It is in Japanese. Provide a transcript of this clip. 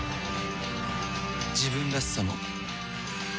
自分らしさも